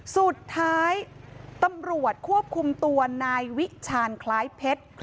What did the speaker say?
สุดท้ายตำรวจควบคุมตัวนายวิชาณคล้ายเพชร